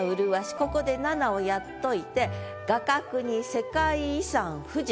ここで７をやっといて「画角に世界遺産富士」。